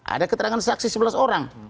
ada keterangan saksi sebelas orang